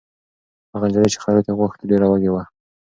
هغه نجلۍ چې خیرات یې غوښت، ډېره وږې وه.